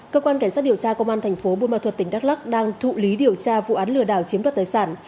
cơ quan cảnh sát điều tra công an thành phố buôn ma thuật tỉnh đắk lắc đang thụ lý điều tra vụ án lừa đảo chiếm đoạt tài sản